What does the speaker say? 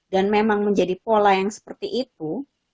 dan memang menjadi pola yang seperti itu